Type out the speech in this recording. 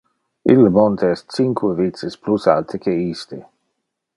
Ille monte es cinque vices plus alte que iste.